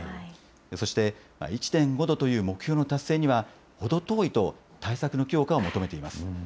そして１．５度という目標の達成には程遠いと、対策の強化を求めています。